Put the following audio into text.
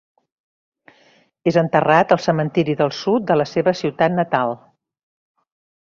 És enterrat al cementiri del Sud de la seva ciutat natal.